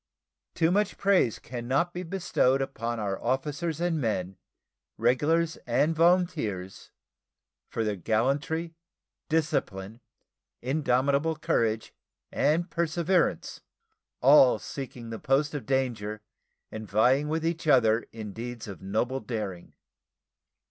Too much praise can not be bestowed upon our officers and men, regulars and volunteers, for their gallantry, discipline, indomitable courage, and perseverance, all seeking the post of danger and vying with each other in deeds of noble daring.